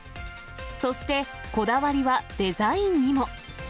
そして、こだわりはデザインにも。